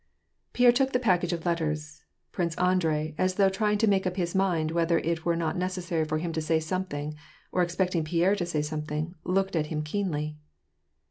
Pierre took the package of letters. Prince Andrei, as though trying to make up his mind whether it were not necessary for him to sav something, or expecting Pierre to say something, looked at him keenly.